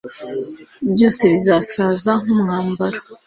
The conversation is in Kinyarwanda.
byose bizasaza nk'umwambaro